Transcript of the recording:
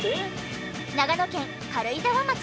長野県軽井沢町。